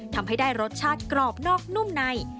ทำให้ได้รสชาติกรอบนอกนุ่มใน